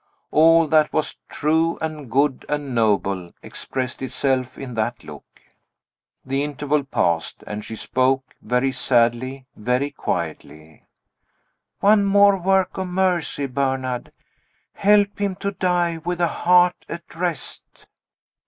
All that was true and good and noble expressed itself in that look. The interval passed, and she spoke very sadly, very quietly. "One more work of mercy, Bernard. Help him to die with a heart at rest."